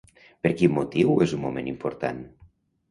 Per quin motiu és un moment important?